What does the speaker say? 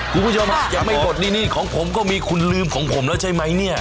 คุณผู้ชมยังไม่ปลดหนี้ของผมก็มีคุณลืมของผมแล้วใช่ไหมเนี่ย